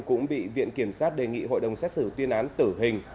cũng bị viện kiểm sát đề nghị hội đồng xét xử tuyên án tử hình